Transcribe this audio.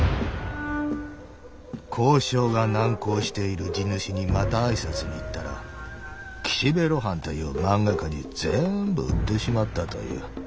「交渉が難航している地主にまたあいさつに行ったら岸辺露伴という漫画家に全部売ってしまったという。